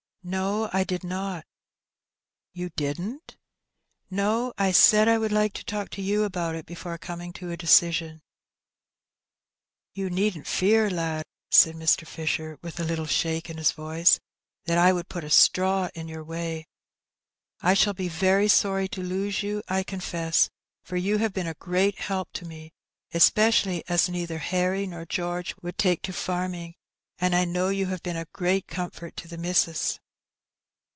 "No, I did not." "You didn't?" " No ; I said I would like to talk to you about it before coming to a decision." "You needn't fear, lad,'* said Mr. Fisher, with a little shake in his voice, "that I will put a straw in your way. I shall be very sorry to lose you, I confess, for you have been a great help to me, especially as neither Harry nor George would take to farming, and I know you have been a great comfort to the missus."